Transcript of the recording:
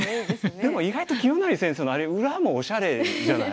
でも意外と清成先生のあれ裏もおしゃれじゃない？